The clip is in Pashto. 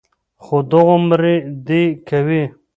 خو دغومره دې کوي،